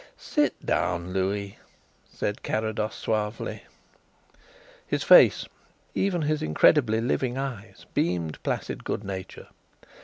"Sit down, Louis," said Carrados suavely. His face, even his incredibly living eyes, beamed placid good nature.